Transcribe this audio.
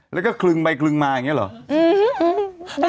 แล้วก็คลึงไปคลึงมาอย่างนี้เหรอ